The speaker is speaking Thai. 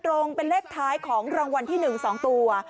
ตรงเป็นเลขท้ายของรางวัลที่๑๒ตัว